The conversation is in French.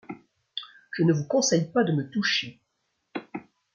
Je ne vous conseille pas de me toucher !